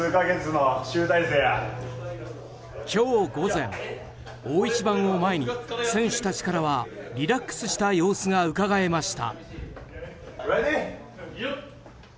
今日午前、大一番を前に選手たちからはリラックスした様子がうかがえました。